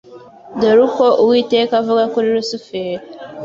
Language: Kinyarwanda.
Dore uko Uwiteka avuga kuri Lusuferi: